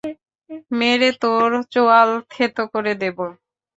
মেরে তোর চোয়াল থেঁতো করে দেবো।